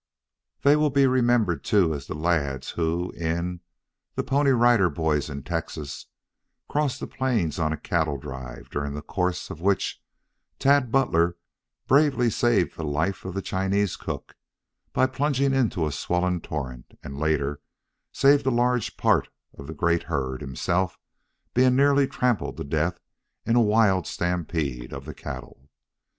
They will be remembered, too, as the lads who, in "THE PONY RIDER BOYS IN TEXAS," crossed the plains on a cattle drive, during the course of which Tad Butler bravely saved the life of the Chinese cook, by plunging into a swollen torrent; and later, saved a large part of the great herd, himself being nearly trampled to death in a wild stampede of the cattle.